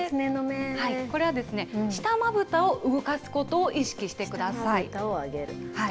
これは下まぶたを動かすことを意識してください。